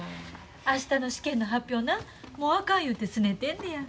明日の試験の発表なもうあかん言うてすねてんねや。